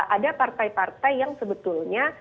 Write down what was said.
ada partai partai yang sebetulnya